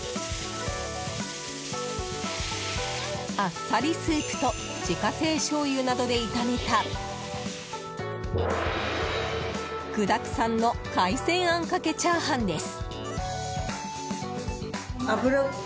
あっさりスープと自家製しょうゆなどで炒めた具だくさんの海鮮あんかけチャーハンです。